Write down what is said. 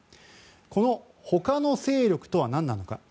この他の勢力とは何なのか。